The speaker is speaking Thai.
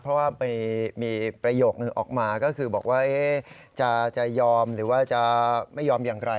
เพราะว่ามีประโยคนึงออกมาก็คือบอกว่าจะยอมหรือว่าจะไม่ยอมอย่างไร